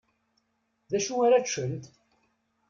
Dacu ara ččent?